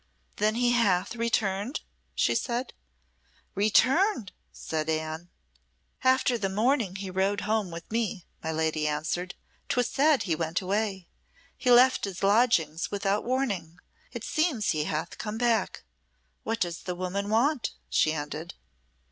"Then he hath returned?" she said. "Returned!" said Anne. "After the morning he rode home with me," my lady answered, "'twas said he went away. He left his lodgings without warning. It seems he hath come back. What does the woman want?" she ended.